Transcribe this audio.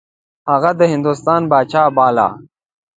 هغه د هندوستان پاچا باله.